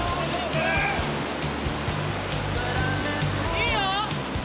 いいよ！